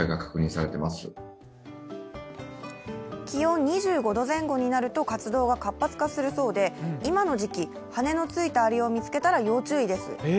気温２５度前後になると活動が活発化するそうで、今の時期、羽のついたアリを見つけたら要注意です。